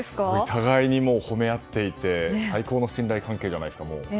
互いに褒め合っていて最高の信頼関係ですね。